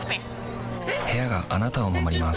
部屋があなたを守ります